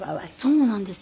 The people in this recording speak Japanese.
そうなんですよね。